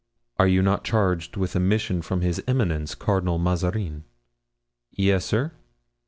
"Are you not charged with a mission from his eminence, Cardinal Mazarin?" "Yes, sir."